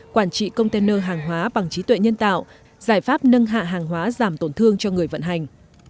quản trị container hàng hóa bằng trí tuệ nhân tạo giải pháp nâng hạ hàng hóa giảm tổn thương cho người vận hành